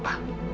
bukan begitu den